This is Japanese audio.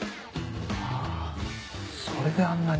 あぁそれであんなに。